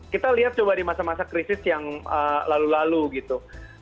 kita lihat coba di masa masa krisis yang lalu lalu gitu